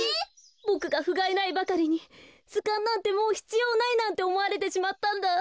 ボクがふがいないばかりにずかんなんてもうひつようないなんておもわれてしまったんだ。